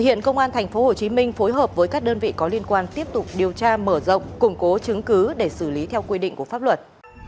hiện công an tp hcm phối hợp với các đơn vị có liên quan tiếp tục điều tra mở rộng củng cố chứng cứ để xử lý theo quy định của pháp luật